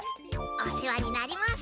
お世話になります。